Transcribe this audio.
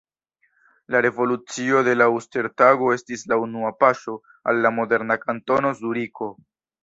La revolucio de la Uster-Tago estis la unua paŝo al la moderna Kantono Zuriko.